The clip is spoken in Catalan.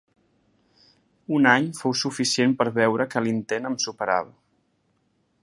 Un any fou suficient per veure que l’intent em superava.